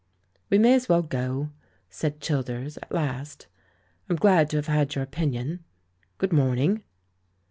"We may as well go," said Childers, at last; "I'm glad to have had your opinion. Good morning."